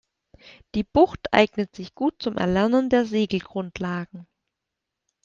Die Bucht eignet sich gut zum Erlernen der Segelgrundlagen.